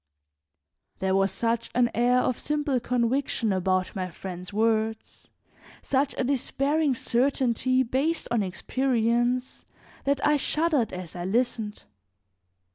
There was such an air of simple conviction about my friend's words, such a despairing certainty based on experience, that I shuddered as I listened.